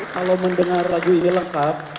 kalau mendengar lagu ini lengkap